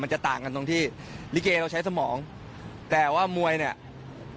จะต่างกันตรงที่ลิเกเราใช้สมองแต่ว่ามวยเนี่ย